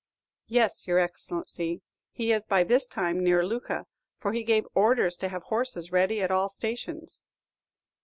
"Yes, your Excellency, he is by this time near Lucca, for he gave orders to have horses ready at all the stations."